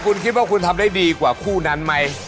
คุณคิดว่าคุณทำได้ดีกว่าคู่นั้นไหม